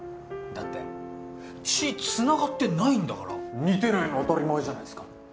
だって血つながってないんだから似てないの当たり前じゃないっすか